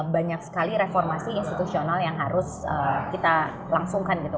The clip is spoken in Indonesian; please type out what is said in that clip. banyak sekali reformasi institusional yang harus kita langsungkan gitu